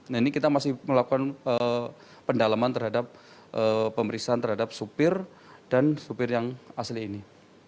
nah ini kita masih melakukan pendalaman terhadap pemeriksaan terhadap supir dan supir yang asli ini